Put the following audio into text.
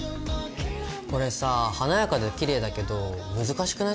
これさ華やかできれいだけど難しくない？